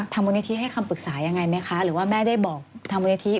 มูลนิธิให้คำปรึกษายังไงไหมคะหรือว่าแม่ได้บอกทางมูลนิธิ